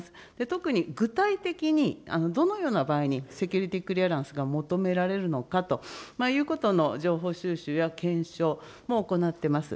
特に具体的にどのような場合にセキュリティクリアランスが求められるのかということの情報収集や検証も行ってます。